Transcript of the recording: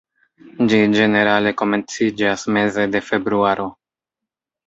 Ĝi ĝenerale komenciĝas meze de februaro.